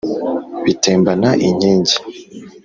Bitembana inkingi